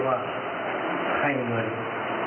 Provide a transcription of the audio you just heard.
ใครมีเงินให้ก็เอาทั้งนั้น